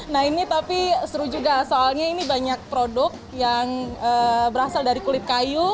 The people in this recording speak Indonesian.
nah ini tapi seru juga soalnya ini banyak produk yang berasal dari kulit kayu